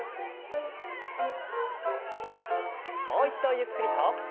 もう一度ゆっくりと。